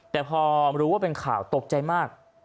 แต่พอรู้ว่าเป็นข่าวตกใจมาก